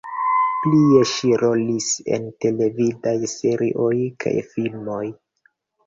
Plie ŝi rolis en televidaj serioj kaj filmoj.